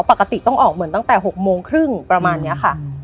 ปกติต้องออกเหมือนตั้งแต่๖โมงครึ่งประมาณนี้ค่ะ